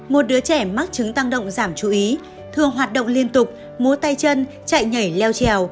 một đứa trẻ mắc chứng tăng động giảm chú ý thường hoạt động liên tục múa tay chân chạy nhảy leo trèo